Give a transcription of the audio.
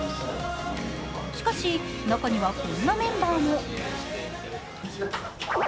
しかし、中にはこんなメンバーも。